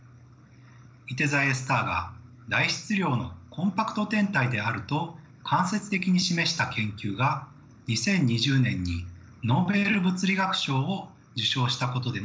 いて座Ａスターが大質量のコンパクト天体であると間接的に示した研究が２０２０年にノーベル物理学賞を受賞したことでも話題となりました。